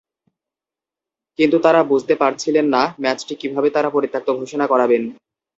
কিন্তু তাঁরা বুঝতে পারছিলেন না, ম্যাচটি কীভাবে তাঁরা পরিত্যক্ত ঘোষণা করাবেন।